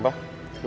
lu balik dulu